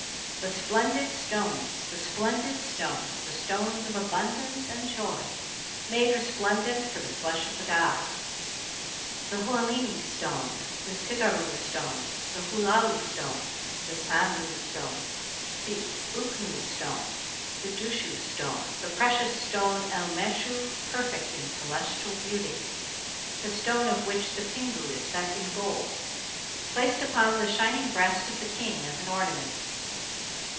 The splendid stones! The splendid stones! The stones of abundance and of joy. Made resplendent for the flesh of the gods. The ḥulalini stone, the sirgarru stone, the ḥulalu stone, the sându stone, the uknû stone. The dushu stone, the precious stone elmêshu, perfect in celestial beauty. The stone of which the pingu is set in gold. Placed upon the shining breast of the king as an ornament.